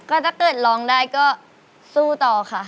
ก็ถ้าเกิดร้องได้ก็สู้ต่อค่ะ